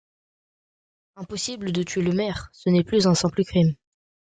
Impossible de tuer le maire, ce n'est plus un simple crime.